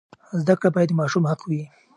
زده کړه باید د ماشوم حق وي.